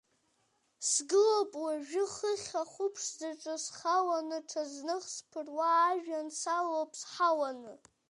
Сгылоуп уажәы, хыхь ахәыԥшӡаҿ схаланы, ҽазных, сԥыруа ажәҩан салоуп сҳауаны.